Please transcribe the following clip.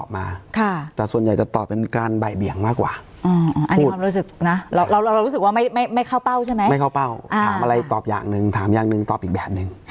ไม่เข้าเป้าถามอะไรตอบอย่างนึงถามอย่างนึงตอบอีกแบบนึง